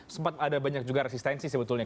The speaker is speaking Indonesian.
sempat ada banyak juga resistensi sebetulnya